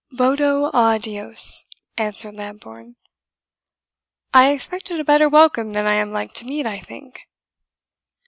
"VOTO A DIOS," answered Lambourne, "I expected a better welcome than I am like to meet, I think."